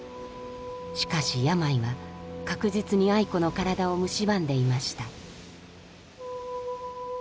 しかし病は確実に愛子の体をむしばんでいました。